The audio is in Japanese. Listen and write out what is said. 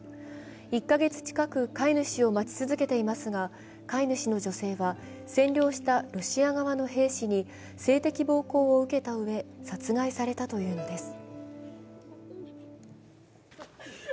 １カ月近く飼い主を待ち続けていますが、飼い主の女性は占領したロシア側の兵士に性的暴行を受けたうえ殺害されたというのです。